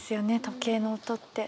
時計の音って。